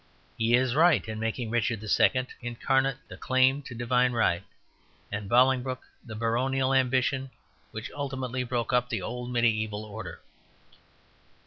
He is right in making Richard II. incarnate the claim to divine right; and Bolingbroke the baronial ambition which ultimately broke up the old mediæval order.